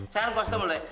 saya harus pastem lu ya